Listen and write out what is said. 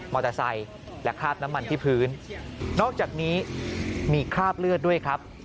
ไซค์และคราบน้ำมันที่พื้นนอกจากนี้มีคราบเลือดด้วยครับ